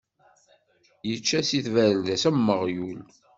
Ičča di tbarda-s, am uɣyul.